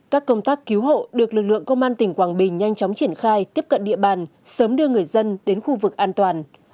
các công tác cứu hộ được lực lượng công an tỉnh quảng bình nhanh chóng triển khai tiếp cận địa bàn sớm đưa người dân đến khu vực an toàn